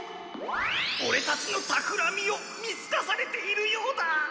オレたちのたくらみを見すかされているようだ！